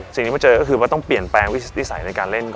สิ่งที่ไม่เคยเจอคือต้องเปลี่ยนแปลงวิสัยในการเล่น